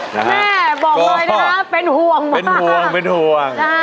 แม่บอกเลยนะคะเป็นห่วงเป็นห่วงเป็นห่วง